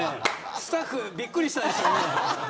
スタッフびっくりしたでしょうね。